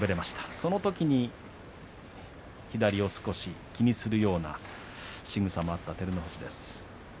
そのときに左を少し気にするようなしぐさもあった照ノ富士です。